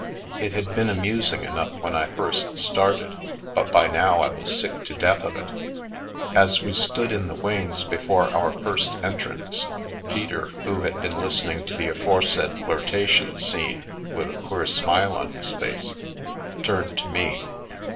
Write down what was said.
It had been amusing enough when I first started, but by now I was sick to death of it As we stood in the wings before our first entrance, Peter, who had been listening to the aforementioned flirtation scene with a queer smile on his face, turned to me.